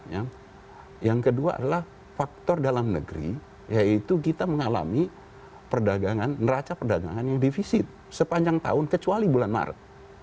yang kedua adalah faktor dalam negeri yaitu kita mengalami perdagangan neraca perdagangan yang defisit sepanjang tahun kecuali bulan maret